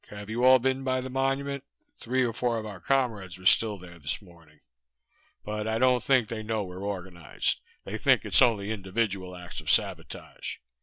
Have you all been by the Monument? Three of our comrades were still there this morning. But I don't think they know we're organized, they think it's only individual acts of sabotage.